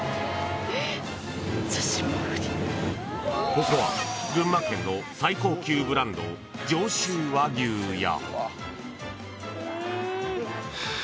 ［ここは群馬県の最高級ブランド上州和牛や］